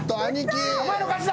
お前の勝ちだ。